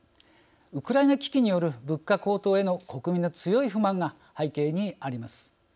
ウクライナ危機による物価高騰への国民の強い不満が背景にあります。